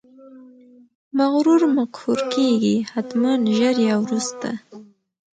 مغرور مقهور کیږي، حتمأ ژر یا وروسته!